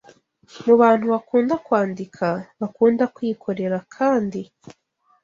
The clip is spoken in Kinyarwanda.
mu bantu bakunda kwandika, bakunda kwikorera kandi